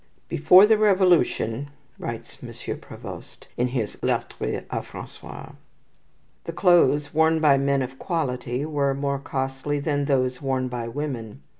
"Before the Revolution," writes M. Provost, in his "Lettres a Francois," "the clothes worn by men of quality were more costly than those worn by women.